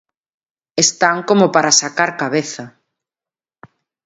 Están como para sacar cabeza.